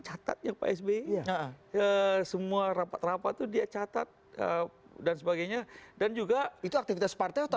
catat yang pak sby semua rapat rapat itu dia catat dan sebagainya dan juga itu aktivitas partai atau